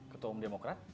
ketua umum demokrat